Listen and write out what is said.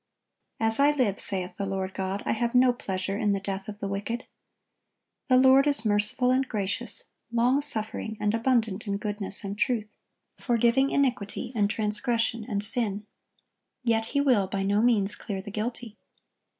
"As I live, saith the Lord God, I have no pleasure in the death of the wicked."(1072) The Lord is "merciful and gracious, long suffering, and abundant in goodness and truth, ... forgiving iniquity and transgression and sin." Yet He will "by no means clear the guilty."